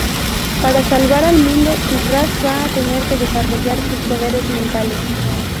Para salvar al mundo, Raz va a tener que desarrollar sus poderes mentales.